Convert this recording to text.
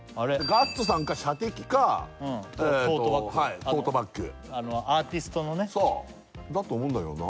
ガッツさんか射的かトートバッグアーティストのねだと思うんだけどなあ